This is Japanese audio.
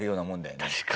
確かに。